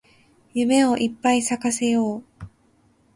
夢をいっぱい咲かせよう